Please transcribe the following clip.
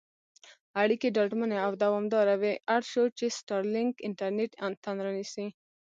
اړیکې ډاډمنې او دوامدارې وي اړ شو، چې سټارلېنک انټرنېټ انتن رانیسي.